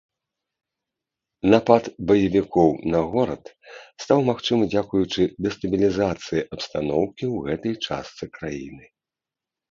Напад баевікоў на горад стаў магчымы дзякуючы дэстабілізацыі абстаноўкі ў гэтай частцы краіны.